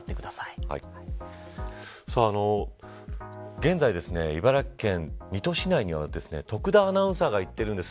現在、茨城県水戸市内には徳田アナウンサーが行っています。